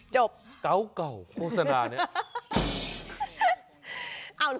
เก่าโฆษณาเนี่ย